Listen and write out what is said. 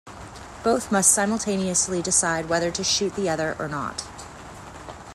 Both must simultaneously decide whether to shoot the other or not.